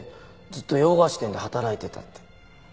ずっと洋菓子店で働いてたって。